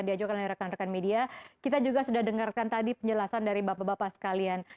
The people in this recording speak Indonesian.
diajukan oleh rekan rekan media kita juga sudah dengarkan tadi penjelasan dari bapak bapak sekalian